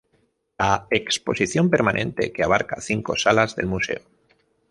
La exposición permanente que abarca cinco salas del museo.